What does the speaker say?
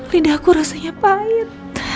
lidahku rasanya pahit